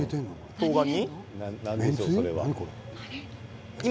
とうがん。